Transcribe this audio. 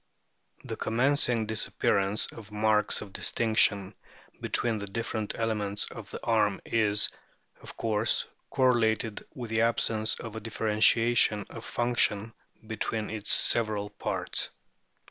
The commencing disappearance of marks of distinction between the different elements of the arm is, of course, correlated with the absence of a differentiation of function between its several parts.